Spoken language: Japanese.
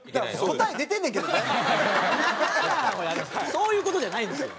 そういう事じゃないんですよ。